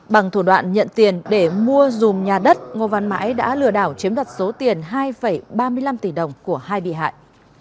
bằng thủ đoạn nhận tiền để mua dùm nhà đất ngô văn mãi đã lừa đảo chiếm đoạt số tiền hai ba mươi năm tỷ đồng của hai bị hại